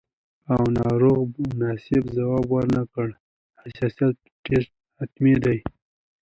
او ناروغ مناسب ځواب ورنکړي، حساسیت ټسټ حتمي دی.